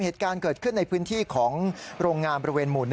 เหตุการณ์เกิดขึ้นในพื้นที่ของโรงงานบริเวณหมู่๑